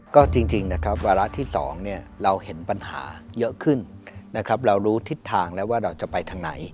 ก็จริงนะครับวาระที่๒เราเห็นปัญหาเยอะขึ้นนะครับเรารู้ทิศทางแล้วว่าเราจะไปทางไหน